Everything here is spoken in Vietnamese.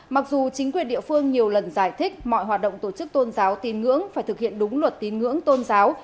mặc dù chính quyền địa phương nhiều lần giải thích mọi hoạt động tổ chức tôn giáo tin ngưỡng phải thực hiện đúng luật tín ngưỡng tôn giáo